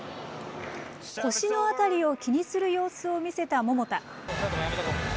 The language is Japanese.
腰の辺りを気にする様子を見せた桃田。